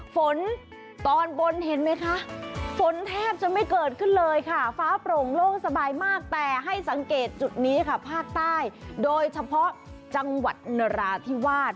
ฝนตอนบนเห็นไหมคะฝนแทบจะไม่เกิดขึ้นเลยค่ะฟ้าโปร่งโล่งสบายมากแต่ให้สังเกตจุดนี้ค่ะภาคใต้โดยเฉพาะจังหวัดนราธิวาส